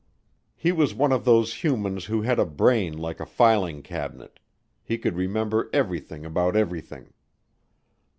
He was one of those humans who had a brain like a filing cabinet; he could remember everything about everything.